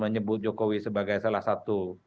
menyebut jokowi sebagai salah satu